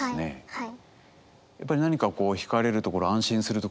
はい。